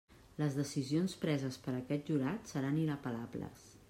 Les decisions preses per aquest jurat seran inapel·lables.